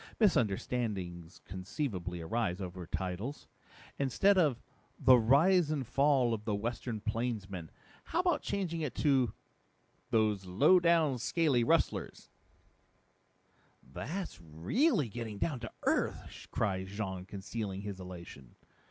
Misunderstandings conceivably arise over titles. Instead of The Rise and Fall of the Western Plainsman, how about changing it to Those Lowdown Scaly Rustlers?" "That's really getting down to earth," cried Jean, concealing his elation.